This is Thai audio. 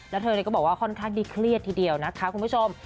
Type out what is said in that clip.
แล้วเธอก็บอกว่าค่อนข้างดีเครียดทีเดียวนะคะคุณผู้ชม